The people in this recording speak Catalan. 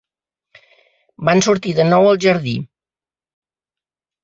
Van sortir de nou al jardí.